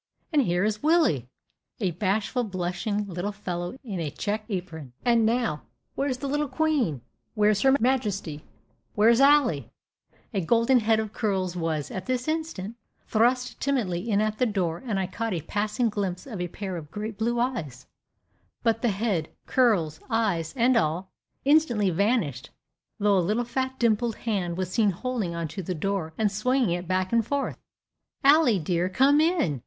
"And here is Willie!" a bashful, blushing little fellow in a checked apron. "And now, where's the little queen? where's her majesty? where's Ally?" A golden head of curls was, at this instant, thrust timidly in at the door, and I caught a passing glimpse of a pair of great blue eyes; but the head, curls, eyes, and all, instantly vanished, though a little fat dimpled hand was seen holding on to the door, and swinging it back and forward. "Ally, dear, come in!"